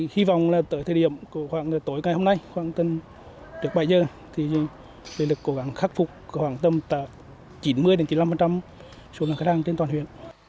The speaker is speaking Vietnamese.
hy vọng là tới thời điểm khoảng tối ngày hôm nay khoảng tầm trước bảy giờ thì điện lực cố gắng khắc phục khoảng tầm chín mươi chín mươi năm số lượng khách hàng trên toàn huyện